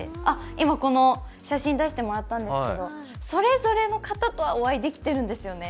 今、この写真出してもらったんですけど、それぞれの方とはお会いできてるんですよね。